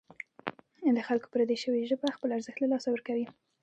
له خلکو پردۍ شوې ژبه خپل ارزښت له لاسه ورکوي.